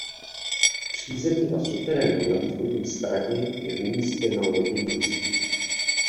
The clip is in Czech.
V přízemí a suterénu na východní straně je umístěna loděnice.